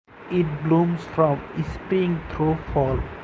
It blooms from spring through fall.